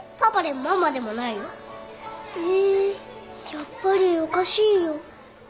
やっぱりおかしいよ。